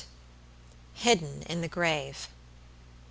HIDDEN IN THE GRAVE.